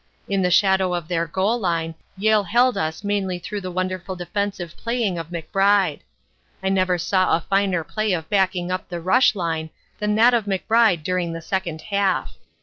In the shadow of their goal line Yale held us mainly through the wonderful defensive playing of McBride. I never saw a finer display of backing up the rush line than that of McBride during the second half.